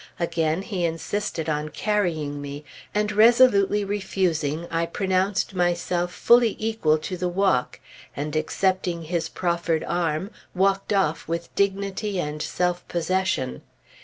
Again he insisted on carrying me; and resolutely refusing, I pronounced myself fully equal to the walk, and accepting his proffered arm, walked off with dignity and self possession.